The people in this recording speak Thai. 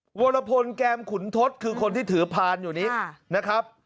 วรพลแก้มขุนทศคือคนที่ถือพานอยู่นี้นะครับ